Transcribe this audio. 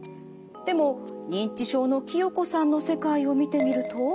でも認知症の清子さんの世界を見てみると。